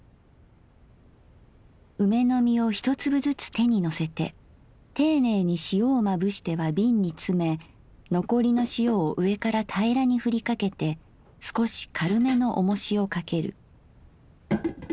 「梅の実を一粒ずつ手にのせて丁寧に塩をまぶしては瓶につめ残りの塩を上からたいらにふりかけてすこし軽めのおもしをかける。